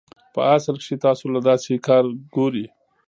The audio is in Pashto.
پۀ اصل کښې تاسو له داسې کار ګوري